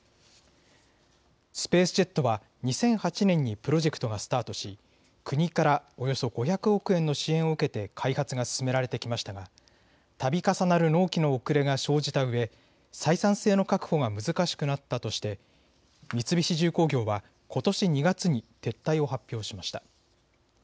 スペースジェットは２００８年にプロジェクトがスタートし国からおよそ５００億円の支援を受けて開発が進められてきましたがたび重なる納期の遅れが生じたうえ採算性の確保が難しくなったとして三菱重工業はことし２月に撤退を発表しました。